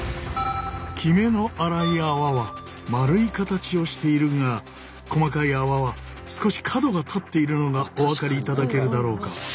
きめの粗い泡は丸い形をしているが細かい泡は少し角が立っているのがお分かりいただけるだろうか？